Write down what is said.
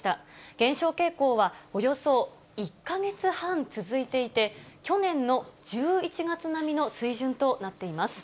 減少傾向はおよそ１か月半続いていて、去年の１１月並みの水準となっています。